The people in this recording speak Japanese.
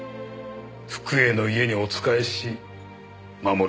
福栄の家にお仕えし守る事。